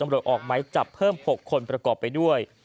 อำรวจออกไหมจับเพิ่ม๖คนประกอบไปด้วย